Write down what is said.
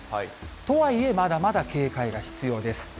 とはいえ、まだまだ警戒が必要です。